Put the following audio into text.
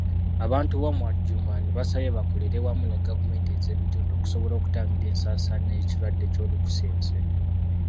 Abantu b'omu Adjumani basabye bakolere wamu ne gavumenti ez'ebitundu okusobola okutangira ensaasaanya y'ekirwadde Ky'olunkusense.